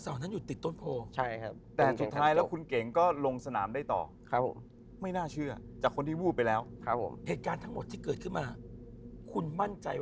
ตอนนั้นผมไม่เชื่อนะผมไม่เชื่อก่อนที่จะเจออย่างนี้กันนะ